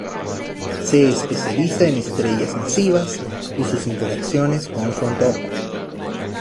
Se especializa en estrellas masivas y sus interacciones con su entorno.